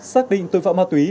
xác định tội phạm ma tuế